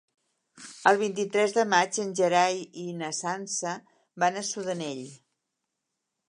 El vint-i-tres de maig en Gerai i na Sança van a Sudanell.